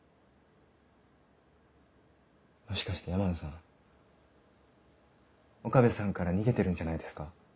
もしかして山野さん岡部さんから逃げてるんじゃないですか？